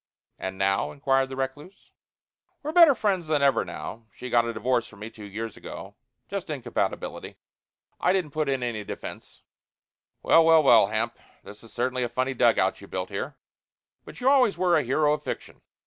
"And now?" inquired the recluse. "We're better friends than ever now. She got a divorce from me two years ago. Just incompatibility. I didn't put in any defence. Well, well, well, Hamp, this is certainly a funny dugout you've built here. But you always were a hero of fiction.